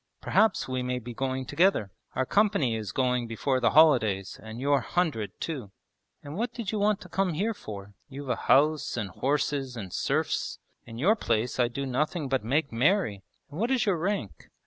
'Perhaps we may be going together. Our company is going before the holidays, and your "hundred" too.' 'And what did you want to come here for? You've a house and horses and serfs. In your place I'd do nothing but make merry! And what is your rank?'